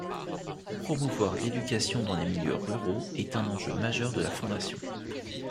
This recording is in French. Promouvoir l'éducation dans les milieux ruraux est un enjeu majeur de la fondation.